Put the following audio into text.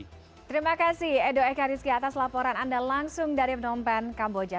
terima kasih edo ekariski atas laporan anda langsung dari phnom penh kamboja